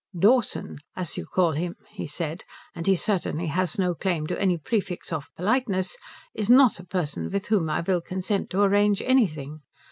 "Dawson, as you call him," he said, "and he certainly has no claim to any prefix of politeness, is not a person with whom I will consent to arrange anything.